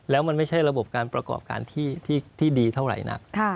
แล้วมันไม่ใช่ระบบการประกอบการที่ดีเท่าไหร่นัก